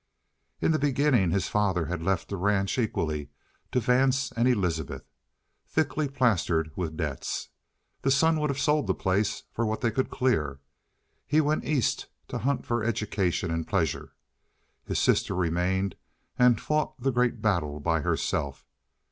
In the beginning his father had left the ranch equally to Vance and Elizabeth, thickly plastered with debts. The son would have sold the place for what they could clear. He went East to hunt for education and pleasure; his sister remained and fought the great battle by herself.